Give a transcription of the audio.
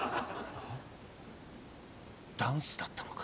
ダンスだったのか。